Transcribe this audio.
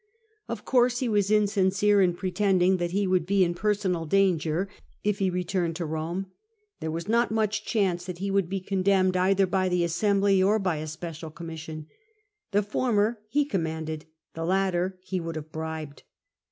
Of course he was insincere in pre tending that he would be in personal danger if ho 224 CATO returned to Eome. There was not ranch chance that he would be condemned either by the Assembly or by a Special Commission. The former he commanded, the latter he would have bribed.